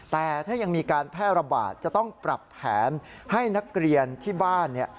แต่ถ้ายังมีการแพร่ระบาดจะต้องปรับแผนให้นักเรียนที่บ้านเนี่ย